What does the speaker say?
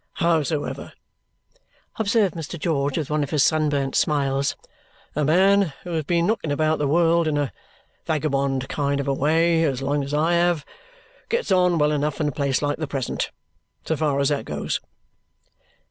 Howsoever," observed Mr. George with one of his sunburnt smiles, "a man who has been knocking about the world in a vagabond kind of a way as long as I have gets on well enough in a place like the present, so far as that goes."